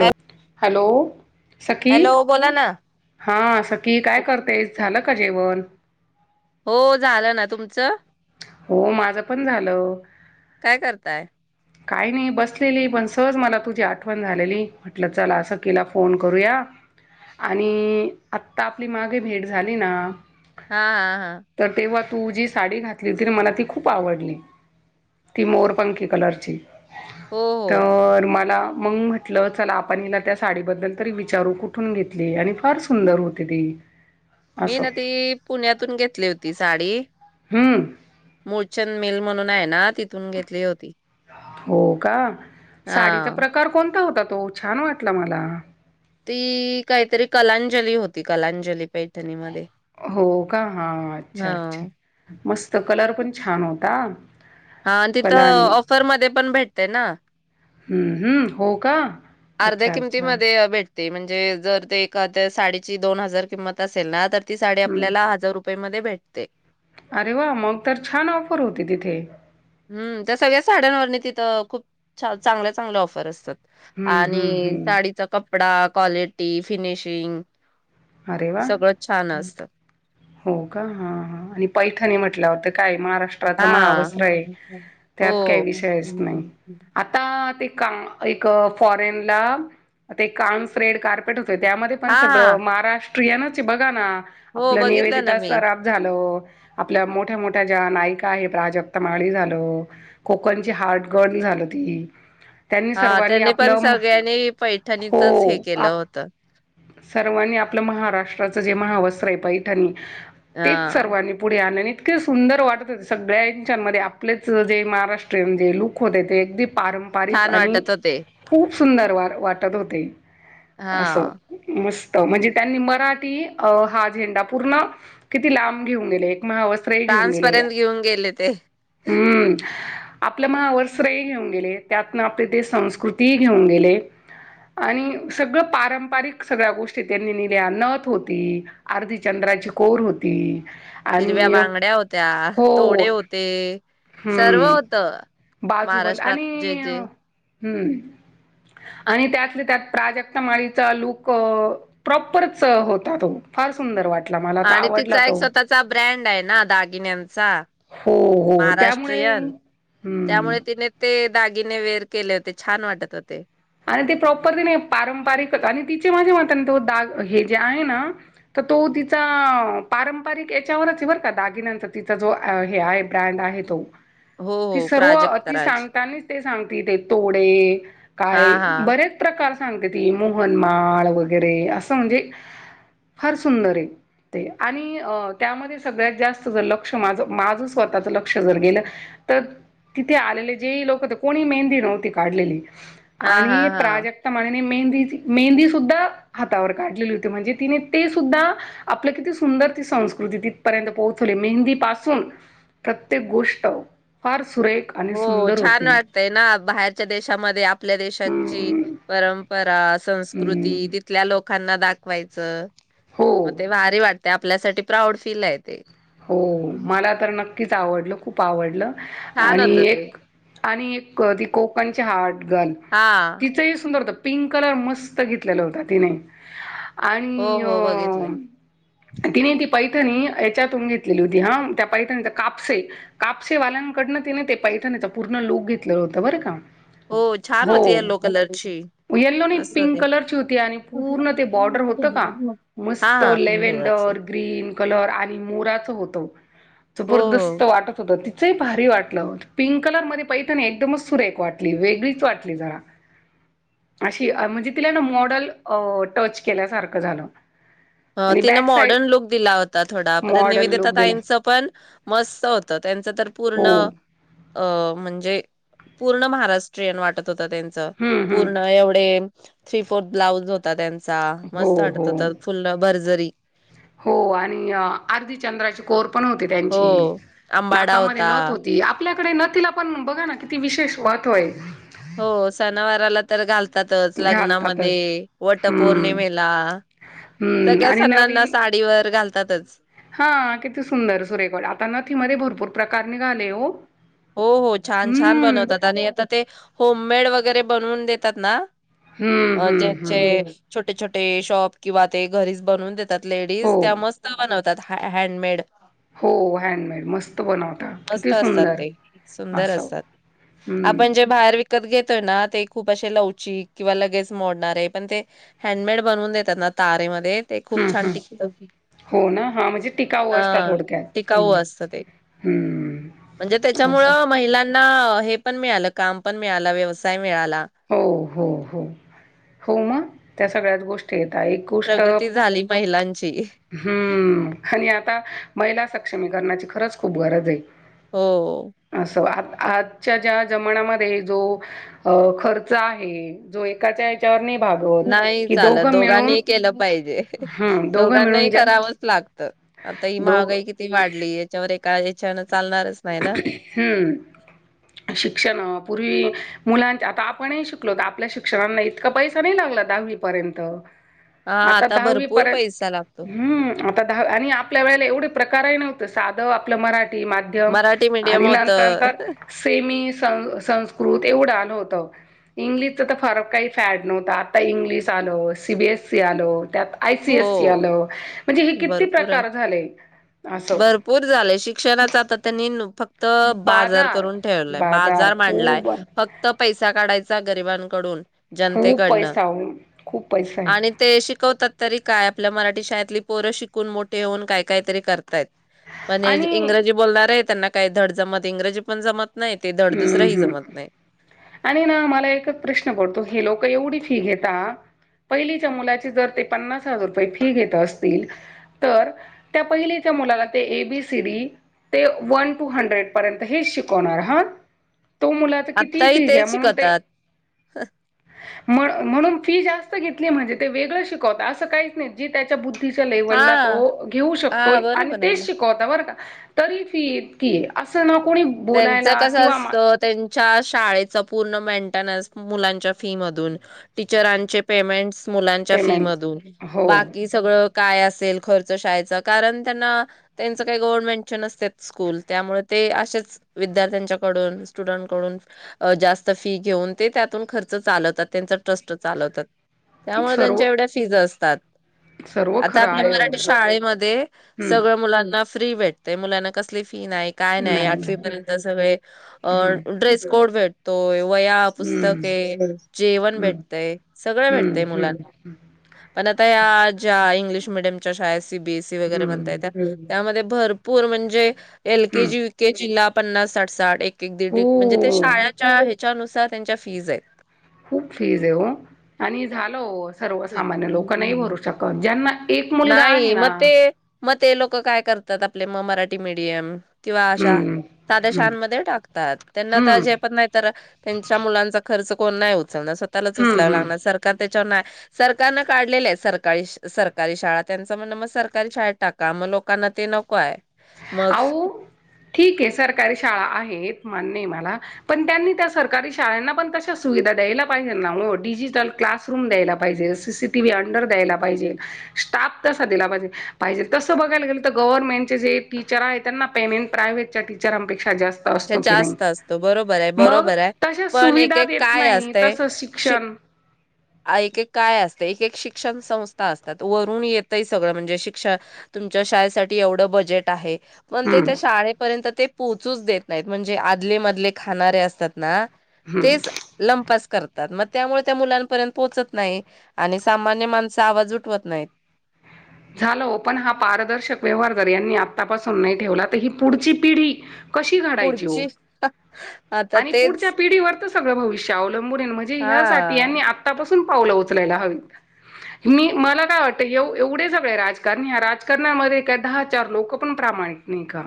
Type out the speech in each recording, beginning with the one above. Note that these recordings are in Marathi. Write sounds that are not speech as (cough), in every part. हॅ हॅलो हॅलो बोला ना हा असं की काय करतेस? झालं का जेवण? हो झालं ना तुमचं? हो माझं पण झालं. काय करताय काही नाही बसलेली पण सहज मला तुझी आठवण झालेली म्हटलं चला असं केला फोन करूया आणि आता आपली मागे भेट झाली ना हा हा हा तर तेव्हा तू जी साडी घात (unintelligible) मला ती खूप आवडली. ती मोरपंखी कलरची. हो हो तर मला मग म्हटलं चला आपण हिला त्या साडीबद्दल तरी विचारू कुठून घेतली आणि फार सुंदर होती ती. मी असं ना ती पुण्यातून घेतली होतीस. साडी हम्म मुळचंद मेल म्हणून नाही ना तिथून घेतली होती. हो का? साडीचा हा प्रकार कोणता होतात? तो छान वाटला मला. ती काहीतरी कलांजली होती. कलांजली पै हो का हा हा अच्छा-अच्छा मस्त. त कलर पण छान होता. हा आणि तिथं कलांनी ऑफरमध्ये पण भेटतय ना. हम्म-हम्म हो का! अर्ध्या अच्छा, अच्छा. किमतीमध्ये भेट ते म्हणजे जर ते एका त्या साडीची दोन हजार किंमत असेल ना तर ती साडी हं. आपल्याला हजार रुपये मध्ये (unintelligible) भेटते अरे वा! मग तर छान ऑफर होती तिथे. हम् त्या सगळ्या साड्यांवरणी तिथं खूप चांगल्या-चांगल्या ऑफर असतात. हं, हं, आणि हं. साडीचा कप कपडा, क्वालिटी, फिनिशिंग अरे वाह! सगळं छान असत. हो का! हा हा आणि पैठणी म्हटल्यावर तर काय महाराष्ट्र (unintelligible) महा हां. वस्त्र आहे त्यात काही हो. विषयच नाही आता ते एक फॉरेन ला ते कॉन्फ्रेड कार्पेट त्यामध्ये पण हां, सगळ हां. महाग प्रिया न ते बघा ना हो आपलं बघितलं ना निवेदता मी. सराफ झालं. आपल्या मोठ्या मोठ्या ज्या नायिका आहेत प्राजक्ता माळी झालं. कोकणची हार्ट गर्ल झालं ती. त्यांनी हा सर्वांनी त्यांनी पण आपलं सगळ्यांनी पैठणीचच हे हो केलं आप होत सर्वांनी आपलं महाराष्ट्राचं जे महावस्त्र आहे पैठणी तेच हां, सर्वांनी पुढे आणणे इतके सुंदर वाटत होते सगळ्यांच्यामध्ये आपलेच जे महाराष्ट्रीयन जे लुक होते ते अगदी पारंपारिक छान आणि वाटत होते. खूप सुंदर वा वाटत होते. असो हां, मस्त (unintelligible) म्हणजे त्यांनी मराठी अ हा झेंडा पूर्ण किती लांब घेऊन गेले. महावस्त्रही घेऊन गेले. फ्रान्सपर्यंत घेऊन गेले ते. हम्म आपलं महा वस्त्र ही घेऊन गेले त्यातनं आपले ते संस्कृतीही घेऊन गेले आणि सगळ पारंपरिक सगळ्या गोष्टी त्यांनी ने नथ होती, अर्धी चंद्राची कोर होती. हिरव्या आणि बांगड्या होत्या, हो तोडे होते, सर्व हम्म होत. महाराष्ट्रात जे जे हम् आणि त्यातले त्यात प्राजक्ता माळीचा लुक अ प्रॉप प्रॉपरच होता तो. फार सुंदर वाट आणि तिचा एक स्वतःचा ब्रँड आहे ना दागिन्यांचा. हो-हो त्यामुळे महाराष्ट्रीयन. हम्म त्यामुळे तिने ते दागिने वेअर केले होते. छान वाटत होते. आणि ते प्रॉपरली नाही आहे पारंपारिकच आणि तिचे माझे मतन तो दाग हे जे आहे ना तर तो तिचा पारंपरिक याच्यावरच आहे बर का. दागिन्यानच तिचा जो अ हे आहे ब्रँड आहे तो. हो, ती हो सर्व प्राजक्ता ती राज. सांगतानेच ते सांग ती ते तोडे काय हां, हां. बरेच प्रकार सांगते ती मोहनमाळ वगैरे असं म्हणजे फार सुंदर आहे ते आणि अ त्यामध्ये सगळ्यात जास्त जर लक्ष माझ-माझ स्वतःच लक्ष जर गेलं तर तिथे आलेले जे लोक हो कोणी मेहंदी नव्हती काढलेली. हां, आणि हां, हां. प्राजक्ता म्हणे मेहंद मेहंदी सुद्धा हातावर काढलेली होती म्हणजे तिने ते सुद्धा आपलं किती सुंदर ती संस्कृती तिथपर्यंत पोहोचवली मेहंदी पासून प्रत्येक गोष्ट फार सुरेख आणि हो सुंदर छान होती. वाटतय ना बाहेरच्या देशामध्ये आप आपल्या देशाची हम्म परंपरा कृती हम्म तिथल्या लोकांना दाखवायचं म हो. ते भारी वाट- ते आपल्यासाठी प्राऊड फील आहे ते. हो मला तर नक्कीच आवडलं. खूप आवडलं. छान आणि होतं ते. एक आणि एक ती कोकणची हार्ट गर्ल हां. तिचं ही सुंदर होत. पिंक कलर मस्त घेतलेला होता तिने. हो, आणि हो बघितलंय. तिने ती पैठनी त्यातून घेतलेली होती हा त्या पैठणीचा कापसे कापसेवाल्यांकडनं तिने ते पैठणीचा पूर्ण लुक घेतलेला होता बरं का. हो छान होती हो येल्लो कलरची. येल्लो नी मस्त पिंक होती. कलरची होती आणि पूर्ण ते बॉर्डर होत का हां, मस्त हां पिंक कलरची. लेवंडर ग्रीन कलर आ मोराच होत. हो जबरदस्त हो वाटत होत ते भारी वाटलं पिंक कलर मध्ये पैठणी ना एकदमच सुरेख वाटली वेगळीच वाटली जरा अशी म्हणजे तिला ना मॉडल अ टच केल्यासारखं झालं. ह आणि तिन बॅक साईड मॉडर्न लुक दिला होता. थोडा परत मॉडल निवेदिता लुक दिला ताईंचं पण मस्त होतात. त्यांच तर पूर्ण हो अ म्हणजे पूर्ण महाराष्ट्रीयन वाटत होत. आता त्यांच हम्म पूर्ण हम्म एवढे थ्री फोर ब्लाउज होता त्यांचा चा हो मस्त हो वाटत होत हो आणि अर्धी चंद्राची कोर पण होती हो त्यांची आंबाडा नाकामध्ये होता नथ होती. आपल्या तिकडे ना तिला पण बघा ना किती विशेष महत्त्वय..... हो सात सणावाराला तर घाल? घालतात च लग्नामध्ये घालतातच वट हम्म पौर्णिमेला हम्म सगळ्या आणि सणांना नवीन साडीवर घाल...... त्यातच हा किती सुंदर सुरेख आता नथी मध्ये भरपूर प्रकार निघाले ओ. हो हो छान छान बनवतात आणि आता ते होम मेड वगैरे बनवून देतात ना हम्म अ हम्म जेचे हम्म छोटे छोटे ते शॉप किंवा ते घरीच बनवून देता त्यात हो लेडिज त्या मस्त बनव...... देतात हँडमेड... हो हॅडमेड मस्त बनवता किती मस्त असतात सुंदर ते, सुंदर असं असतात हम्म आपण जे बाहेर विकत घेतोयना ह‌् ते खूप असे लवचिक किंवा लगेच मोडणारे पण ते हॅडमेड बनऊन देतात ना तारेमध्ये... ते खूप हम् छान हम् टिकतं. हो ना हा म्हणजे टिकाऊ असतात हां, थोडक्यात टिकाऊ हम्म‌् असतं हम्म.... असं त्यामुळं महिलांना हे..... (inaudible) काम पण मिळालं व्यवसाय मिळाला हो हो हो हो मग त्या सगळ्याच गोष्टी आहेत काही एक गोष्ट प्रगती झाली महिलांची. हम‌् आणि आता महिला स...... क्षमीकरणाची खरंच खूप गरज आहे. हो असं आ आजच्या ज्या जमान्यामध्ये जो अ खर्च आहे जो एकाच्या याच्यावर ने नाही चालंत दोघांनीही केलं पाहिजे हे हे हम्म दोघं मिळून दोघांनाही ज्या करावंच लागतं. आता ही दोघ महागाई किती वाढली य याच्यावर? ते काय याच्यानच....... अह‌् अह‌् हम्म शिक्षण पूर्वी मुलांच्या आता आपण ही शिकलो तर आपल्या शिक्षणाला इतका पैसा नाही लागला दाहवी पर्यंत हा आता आता दहावी भरपूर पर्यंत पैसा लागतो. हम्म आता दहावी आणि आपल्या वेळेला एवढे प्रकारही नव्हते त साध आपलं मराठी मा.... मराठी मीडियम आणि नंतन होतं तर सेमी, सं-संस्कृत एवढ होतो इंग्लिश च तर फरक काही फॅड नव्हता. आता इंग्लिश आलो. सी बी एस सी आलो. त्यात आय सी एस सी हो आलं. म्हणजे हे किती भरपूर आहे प्रकार झाले. असं भरपूर झाले शिक्षणाच आता त्यांनी ना हॅलो फक् त बाजार करून ठेवलंय बाजार मांडलाय फक्त पैसा काढाय चा गरिबांकडून खूप जनतेकडनं पैसा खूप पैसा आहे आणि ते शिकवतात तरी काय आ आपल्या मराठी शाळेतली पोरं शिकून मोठे होऊन काय-कायतरी करतायत. पण ए जे आणि इंग्रजी बोलणार आहे त्यांना काय धड जमत इंग्रजी पण जमत नाही ते धड दुसरंही हम्म जमत हम् नाही. आणि ए ना मला एकच प्रश्न पडतो हे लोक एवढी फी घेता पहिलीच्या मुलाची जर ते पन्नास हजार रुपये फी घेत असतील तर त्या पहिलीच्या मुलाला ते एबीसीडी ते वन टू हंड्रेड पर्यंत हेच शिकवणार हा? तो मुलाच किती ही आत्ताही फी घ्या तेच म्हणून ते शिकवतात म्हण-म्हणून फी जास्त घेतलीए म्हणजे ते वेगळं शिकवता असं काहीच नाही जी त्याच्या बुद तीच्या हा लेवलला तो घेऊ शकतोय हा आणि बरोबर आहे ना. तेच शिकवता बरं का. तरी फी इतकी आहे असं न को कोणी बोलायला, त्यांचं कसं किंवा असतं त्यांच्याच शाळेच पूर्ण मेंटनन्स मुलांच्या फी मधून टीचरांचे पेमेंट्स मुलांच्या फी पेमेंट मधून हो बाकी सगळ काय असेल खर्च शाळेचा कारण त्यांना त्यांचं काय गव्हर्नमेंटचे नसत्यात स्कूल त्यामुळे ते असेच विद्यार्थ्यांच्याकडून स्टुडंटकडून जास्त फी घेऊन ते त्यातून खर्च चालवतात त्यांच ट्रस्ट चालवतात. त्यामुळे त्यांच्या सर्व एवढ्या फीज अस (unintelligible) तात सर्व आता खरं आपल्या आहे हो मराठी शाळेमध्ये सगळं हम्म मुलांना फ्री भेटते मुलांना कसली फी नाई काय नाई नाही अड पृथ्वी नाही पर्यंत सगळे अ हम्म ड्रेस कोड भेट तव (inaudible) वह्या, हम्म पुस्तके जेवण हम्म भेटतय. सगळ हम्म भेटतय हम्म मुलांना पण आता या ज्या इंग्लिश मिडयमच्या शाळेस जे बीएससी वगैरे म्हणता य, हम्म त्या त्यामध्ये भरपूर म्हणजे एल के हम्म जी चिल्ला पन्नास साठ साठ एक ते एक दीड एक म्हणजे ते हो शाळाच्या हेच्या च्या नुसार त्यांच्या फीज आहेत. खूप फीज हे हो आणि झाल हो सर्वसामान्य लोकं नाही भरू शकत ज्यांना एक मुलगा नाही आहे म ना ते म ते लोक काय करतात आप लई म मराठी मीडियम किंवा अशा हम्म साध्या हम्म शाळांमध्ये टाकतात त्यांना तर हम्म झेपत नाही तर त्यांच्या मुलांच खर्च कोण नाही होत. समदं स्वतःलाच हम्म उचलाव हम्म लागणार सरकार तरी (unintelligible) सरकारन काढलेल्या हेत, सरकाळीश सर कारी शाळा त्यांचं म्हणन मग सरकारी शाळेत टाका, मग लोकांना ते नको आहे. मग आउ ठीक हे सरकारी शाळा आहे हेत मान्य हे मला, पण त्यांनी त्या सरकारी शाळेना पण तशी सुविधा द्यायला पाहिजे ना ओ डिजिटल क्लासरूम द्यायला पाहिजे, सीसीटीव्ही अंडर द्यायला पाहिजे, स्टाफ तसा दिला पाहिजे, पाहिजे तसं बघायला गेलं तर गव्हर्नमेंटचे जे टीचर आहे त्यांना पेमेंट प्रायव्हेटच्या टीचरांपेक्षा जास्त च्या असतो की नाही जास्त असत बरोबर हाय मग बरोबर हाय तशा पण एक सुविधा एक देत काय नाही असतय तसं शिक शिक्षण हा एक एक काय असतय. एक शिक्षण संस्था असतात, वरून येतय सगळं म्हणजे शिक्षा, तुमच्या शाळेसाठी एवढं बजेट आहे. पण ते हम्म त्या शाळेपर्यंत ते पोहचूच देत नाहीत म्हणजे आदले मधले खाणारे अस तात ना हम्म तेच लंपास कर तम त्यामुळे त्या मुलांपर्यंत पोहोचत नाही आणि सामान्य माणस आवाज उठवत नाही झाल हो पण हा पारदर्शक व्यवहार जर यांनी आतापासून नाही ठेवला तर ही पुढची पिढी कशी घडायची हो पुढची आता आणि तेच पुढच्या पिढीवर तर सगळं भविष्य अवलंबून हेन म्हणजे ह्यासाठी यांनी हां. आत्तापासून पावलं उचलायला हवी. मी मला काय वाटतं एवढे झप होय राजकारणी हा राजकारणामध्ये का दहा चार लोक पण प्रामाणिक नाही का?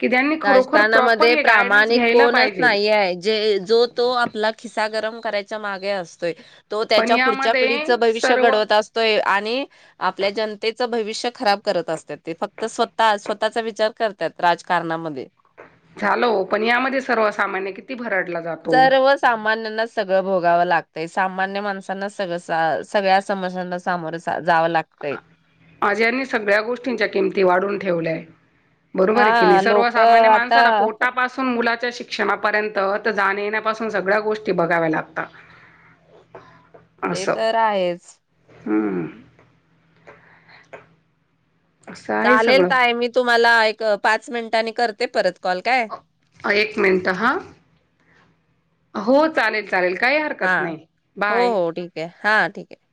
की त्यांनी खरोखर प्रॉपर राजकारणामध्ये हे गायडन्स प्रामाणिक घ्यायला कोणच पाहिजे. नाही हाय जो तो आपला खिसा गरम करायच च्या मागे असतोय. तो पण त्याच्या पुढच्या यामध्ये पिढीचं भविष्य सर्व घडवत असतोय आणि आपल्या जनतेत च भविष्य, खराब करत असत्यात. ते फक्त स्वतः स्वत त्याचा विचार करत्यात राजकार नामध्ये झालं ओ पण यामध्ये सर्व सामान्य किती भरड? सर्व सामान्यांनाच सगळ भोगाव लाग तय सामान्य माणसांना सगळ सगळ्या समस्यांना सामोर सा जाव लागतय आज यांनी सगळ्या गोष्टींच्या किमती वाढून ठेवल्याय बरोबर आहे की नाही हा लोक सर्वसामान्य आता माणसाला पोटापासून मुलात. च्चशिक्षणापर्यंत त जाण येण्यापासून सगळ्या गोष्टी बघाव्या लागता ते तर आहेच हम्म असं आहे चालेल सगळं. ताई मी तुम्हाला एक पाच मिनिटांनी करते परत कॉल काय एक मिनिटं ह हो चालेल. चालेल काही हा हरकत नाही हो बाय. हो ठीक आहे हा ठीक आहे.